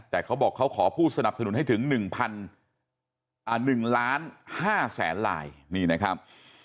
แต่เขาบอกเขาขอผู้สนับสนุนให้ถึง๑๑ล้าน๕แสนลายนี่นะครับ